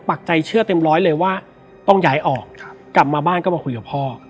ปากใจเชื่อเต็มร้อยเลยว่าต้องย้ายออกกลับมาบ้านก็มาคุยกับพ่อ